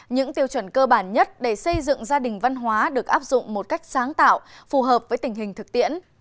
những tiêu chuẩn cơ bản nhất để xây dựng gia đình văn hóa được áp dụng một cách sáng tạo phù hợp với tình hình thực tiễn